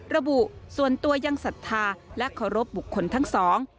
ระบุส่วนตัวยังศรัทธาและเคารพบุคคลทั้งสอง